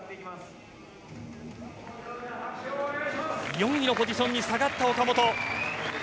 ４位のポジションに下がった岡本。